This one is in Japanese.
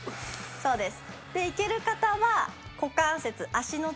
そうです。